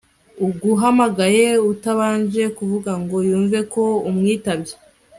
uguhamagaye utabanje kuvuga ngo yumve ko umwitabye